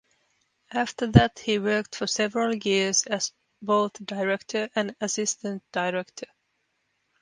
After that he worked for several years as both director and assistant director.